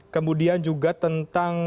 kemudian juga tentang